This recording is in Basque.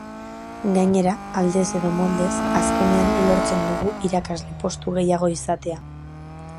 Gainera, aldez edo moldez, azkenean lortzen dugu irakasle postu gehiago izatea.